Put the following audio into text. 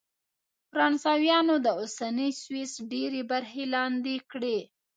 فرانسویانو د اوسني سویس ډېرې برخې لاندې کړې.